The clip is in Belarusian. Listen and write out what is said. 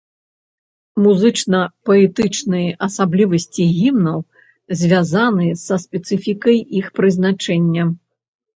Музычна-паэтычныя асаблівасці гімнаў звязаны са спецыфікай іх прызначэння.